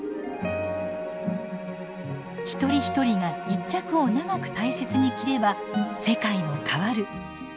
一人一人が１着を長く大切に着れば世界も変わる。